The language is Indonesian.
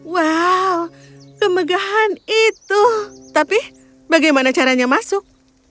wow kemegahan itu tapi bagaimana caranya masuk